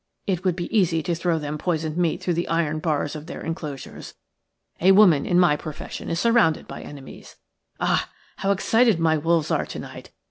It would be easy to throw them poisoned meat through the iron bars of their enclosures. A woman in my profession is surrounded by enemies. Ah! how excited my wolves are to night!